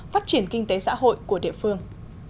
phát triển kinh tế xã hội của địa phương